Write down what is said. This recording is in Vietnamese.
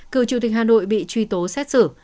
cựu chủ tịch hà nội bị truy tố xét xử